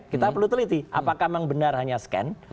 kita perlu teliti apakah memang benar hanya scan